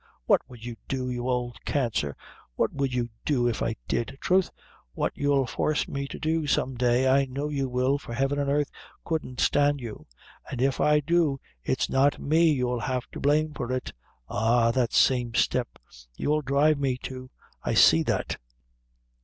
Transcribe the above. "What would you do, you old cancer what would you do if I did?" "Troth, what you'll force me to do some day. I know you will, for heaven an' earth couldn't stand you; an' if I do, it's not me you'll have to blame for it. Ah, that same step you'll drive me to I see that."